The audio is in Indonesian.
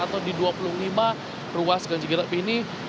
atau di dua puluh lima ruas ganjigenap ini